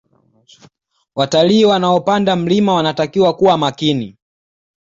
Watalii wanaopanda mlima wanatakiwa kuwa makini